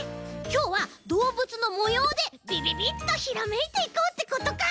きょうはどうぶつのもようでビビビッとひらめいていこうってことか！